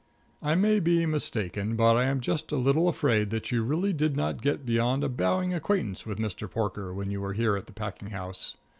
I may be mistaken, but I am just a little afraid that you really did not get beyond a bowing acquaintance with Mr. Porker when you were here at the packing house.